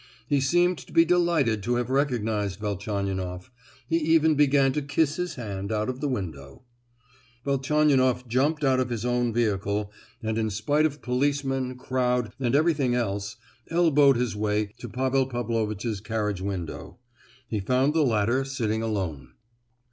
He seemed to be delighted to have recognised Velchaninoff; he even began to kiss his hand out of the window. Velchaninoff jumped out of his own vehicle, and in spite of policemen, crowd, and everything else, elbowed his way to Pavel Pavlovitch's carriage window. He found the latter sitting alone.